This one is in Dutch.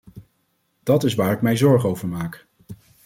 Dat is waar ik mij zorgen over maak.